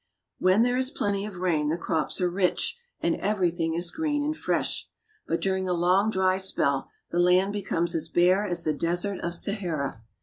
When there is plenty of rain the crops are rich and everything is green and fresh, but during a long dry spell the land becomes as bare as the Desert of Sahara.